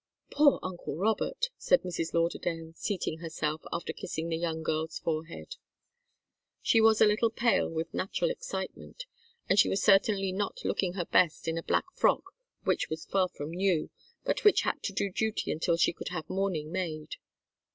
"Poor uncle Robert!" said Mrs. Lauderdale, seating herself, after kissing the young girl's forehead. She was a little pale with natural excitement, and she was certainly not looking her best in a black frock which was far from new, but which had to do duty until she could have mourning made.